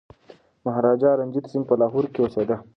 مهاراجا رنجیت سنګ په لاهور کي اوسېده.